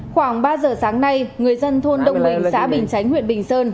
khoảng ba giờ sáng nay người dân thôn đông bình xã bình chánh huyện bình sơn